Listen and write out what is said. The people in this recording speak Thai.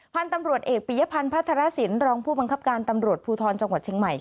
พันธุ์ตำรวจเอกปียพันธ์พัทรสินรองผู้บังคับการตำรวจภูทรจังหวัดเชียงใหม่